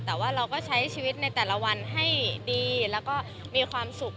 แต่ว่าเราก็ใช้ชีวิตในแต่ละวันให้ดีแล้วก็มีความสุข